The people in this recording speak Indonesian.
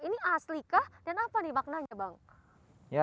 ini aslikah dan apa nih maknanya bang